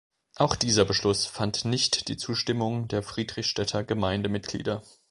Auch dieser Beschluss fand nicht die Zustimmung der Friedrichstädter Gemeindemitglieder.